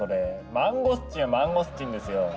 マンゴスチンはマンゴスチンですよ！